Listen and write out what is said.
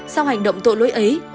sau hành động tội lỗi ấy